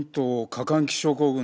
過換気症候群。